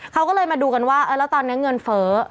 เขาก็เลยมาดูกันว่าแล้วตอนนี้เงินเฟ้อ